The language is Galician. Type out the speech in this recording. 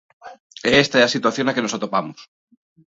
E esta é a situación na que nos atopamos.